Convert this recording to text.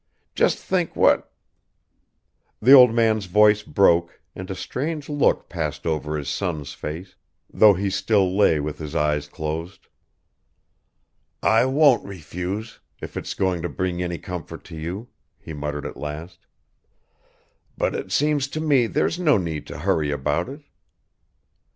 just think what ..." The old man's voice broke and a strange look passed over his son's face, though he still lay with his eyes closed. "I won't refuse, if it's going to bring any comfort to you, he muttered at last; "but it seems to me there's no need to hurry about it.